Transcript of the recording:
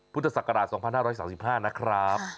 พุทธศักราช๒๕๓๕นะครับ